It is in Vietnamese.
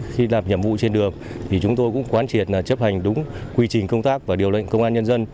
khi làm nhiệm vụ trên đường thì chúng tôi cũng quán triệt chấp hành đúng quy trình công tác và điều lệnh công an nhân dân